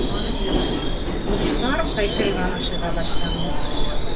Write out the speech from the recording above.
Ҡоштар ҡайтырға ашыға башланы.